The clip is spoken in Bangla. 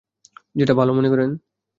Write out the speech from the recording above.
যেটা ভালো মনে করেন।